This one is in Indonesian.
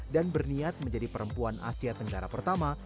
dan berniat menjadi perempuan asia tenggara pertama